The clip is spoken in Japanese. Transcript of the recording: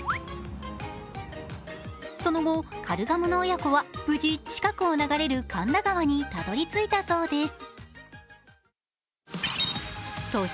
その後、カルガモの親子は無事、近くを流れる神田川にたどり着いたそうです。